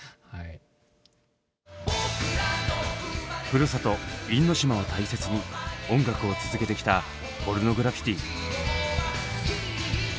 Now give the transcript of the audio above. ふるさと因島を大切に音楽を続けてきたポルノグラフィティ。